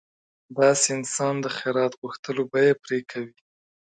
داسې انسان د خیرات غوښتلو بیه پرې کوي.